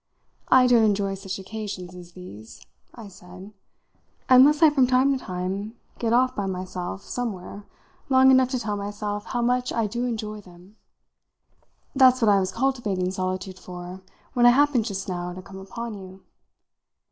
I don't enjoy such occasions as these," I said, "unless I from time to time get off by myself somewhere long enough to tell myself how much I do enjoy them. That's what I was cultivating solitude for when I happened just now to come upon you.